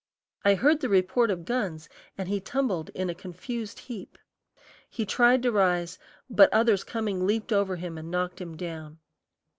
I heard the report of guns, and he tumbled in a confused heap. He tried to rise, but others coming leaped over him and knocked him down.